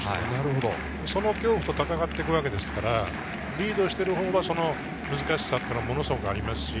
その恐怖と戦っていくわけですからリードしているほうはその難しさがものすごくあります。